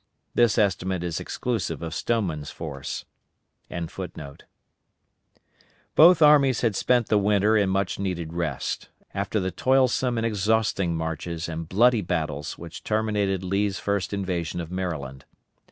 This estimate is exclusive of Stoneman's force.] Both armies had spent the winter in much needed rest, after the toilsome and exhausting marches and bloody battles which terminated Lee's first invasion of Maryland.